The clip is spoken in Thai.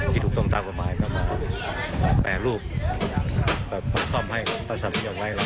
ที่ถูกต้องตั้งประมาณ๘รูปแบบมันซ่อมให้ประสับอย่างไร